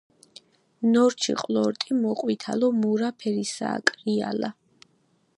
ნორჩი ყლორტი მოყვითალო-მურა ფერისაა, კრიალა.